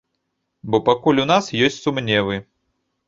Бо пакуль у нас ёсць сумневы.